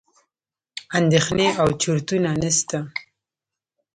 اندېښنې او چورتونه نسته.